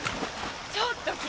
ちょっと君。